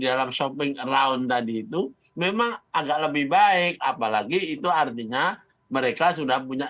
dalam shopping around tadi itu memang agak lebih baik apalagi itu artinya mereka sudah punya